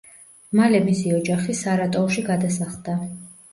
მალე მისი ოჯახი სარატოვში გადასახლდა.